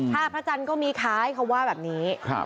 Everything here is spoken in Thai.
ถ้าพระจันทร์ก็มีขายเขาว่าแบบนี้